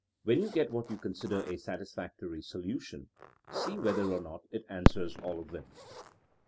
When you get what you consider a satisfactory solution, see whether or not it answers all of them.